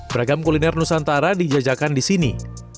beragam kuliner nusantara dijajakan di sini